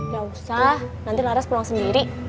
yaudah nanti laris pulang sendiri